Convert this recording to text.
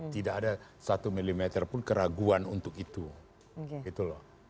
tidak ada satu milimeter pun keraguan untuk itu